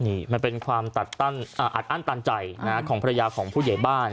นี่มันเป็นความอัดอั้นตันใจของภรรยาของผู้ใหญ่บ้าน